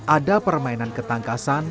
ada permainan ketangkasan